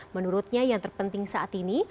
menurutnya yang terpenting saat ini